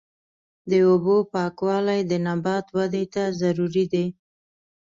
د اوبو پاکوالی د نبات ودې ته ضروري دی.